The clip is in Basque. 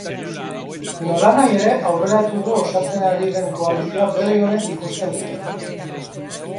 Nolanahi ere, aurreratu du osatzen ari den koalizioa begi onez ikusten dutela.